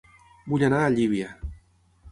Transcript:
Vull anar a Llívia